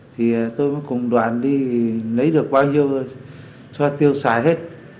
thì tôi mới cùng đoàn đi lấy được bao nhiêu cho tiêu xài hết